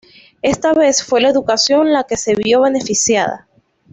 Esta vez fue la educación la que se vio beneficiada.